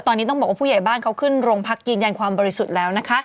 ตอนนี้ต้องบอกว่าผู้ใหญ่บ้านเขาขึ้นโรงพักยืนยันความบริสุทธิ์แล้วนะคะ